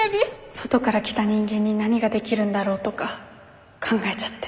外から来た人間に何ができるんだろうとか考えちゃって。